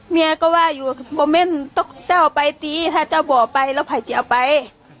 เมียก็ว่าอยู่โมเมนต์เจ้าไปตีถ้าเจ้าบ่อไปแล้วไผ่จะเอาไป